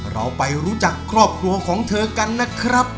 เราไปรู้จักครอบครัวของเธอกันนะครับ